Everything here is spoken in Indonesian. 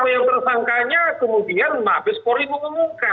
yang tersangkanya kemudian mabes polri mengumumkan